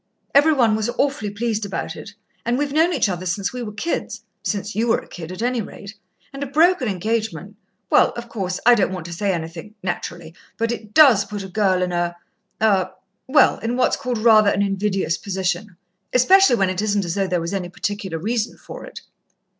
Every one was awfully pleased about it, and we've known each other since we were kids since you were a kid, at any rate and a broken engagement well, of course, I don't want to say anything, naturally, but it does put a girl in a a well, in what's called rather an invidious position. Especially when it isn't as though there was any particular reason for it."